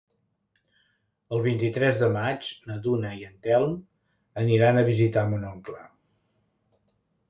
El vint-i-tres de maig na Duna i en Telm aniran a visitar mon oncle.